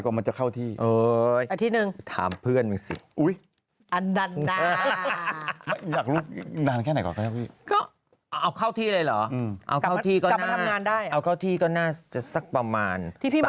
กลับมาอาทิตย์หนึ่งก็ทำงาน